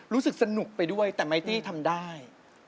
รู้สึกสนุกไปด้วยแต่ไมตี้ทำได้